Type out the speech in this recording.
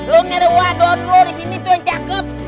lo ngeliat wadon lo di sini tuh yang cakep